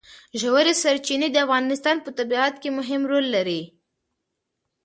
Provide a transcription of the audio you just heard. ژورې سرچینې د افغانستان په طبیعت کې مهم رول لري.